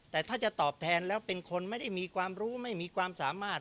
แต่ถ้าจะตอบแทนแล้วเป็นคนไม่ได้มีความรู้ไม่มีความสามารถ